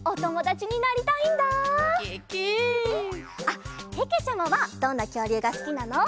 あっけけちゃまはどんなきょうりゅうがすきなの？